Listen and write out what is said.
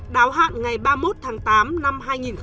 đáo hạn ngày ba mươi một tháng tám năm hai nghìn hai mươi năm